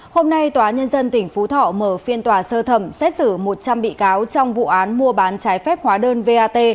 hôm nay tòa nhân dân tỉnh phú thọ mở phiên tòa sơ thẩm xét xử một trăm linh bị cáo trong vụ án mua bán trái phép hóa đơn vat